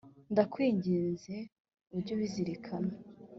Ndakwinginze ujye ubizirikana.